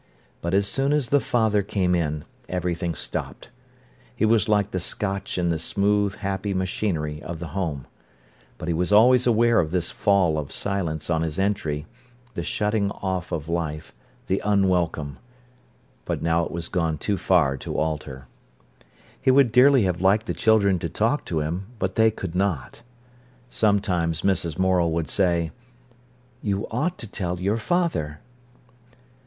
But as soon as the father came in, everything stopped. He was like the scotch in the smooth, happy machinery of the home. And he was always aware of this fall of silence on his entry, the shutting off of life, the unwelcome. But now it was gone too far to alter. He would dearly have liked the children to talk to him, but they could not. Sometimes Mrs. Morel would say: "You ought to tell your father."